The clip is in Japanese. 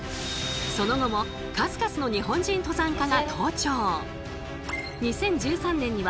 その後も数々の日本人登山家が登頂。